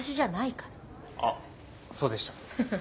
あっそうでした。